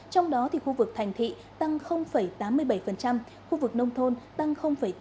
trong đó thì khu vực thành thị tăng tám mươi bảy khu vực nông thôn tăng tám mươi chín